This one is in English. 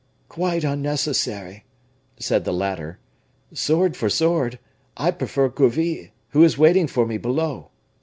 "Quite unnecessary," said the latter; "sword for sword; I prefer Gourville, who is waiting for me below.